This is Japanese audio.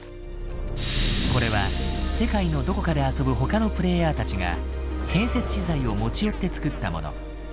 これは世界のどこかで遊ぶ他のプレイヤーたちが建設資材を持ち寄ってつくったもの。